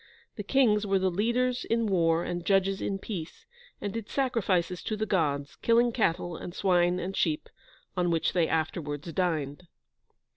The kings were the leaders in war and judges in peace, and did sacrifices to the Gods, killing cattle and swine and sheep, on which they afterwards dined.